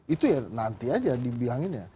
itu ya nanti aja dibilangin ya